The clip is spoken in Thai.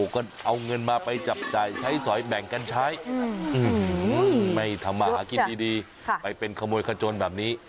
ก็เอาเงินมาไปจับจ่ายใช้สอยแบ่งกันใช้ไม่ทำมาหากินดีไปเป็นขโมยขจนแบบนี้